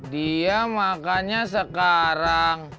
dia makannya sekarang